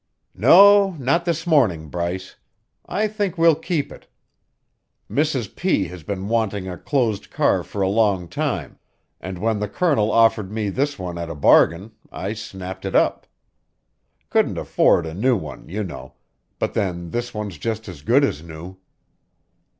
"No, not this morning, Bryce. I think we'll keep it. Mrs. P. has been wanting a closed car for a long time, and when the Colonel offered me this one at a bargain, I snapped it up. Couldn't afford a new one, you know, but then this one's just as good as new."